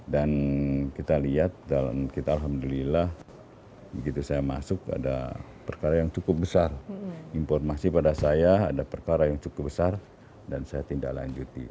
kita lihat dan kita alhamdulillah begitu saya masuk ada perkara yang cukup besar informasi pada saya ada perkara yang cukup besar dan saya tindak lanjuti